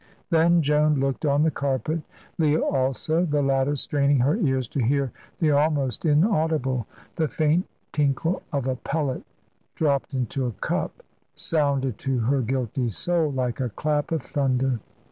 Then Joan looked on the carpet Leah also, the latter straining her ears to hear the almost inaudible. The faint tinkle of a pellet dropped into a cup sounded to her guilty soul like a clap of thunder.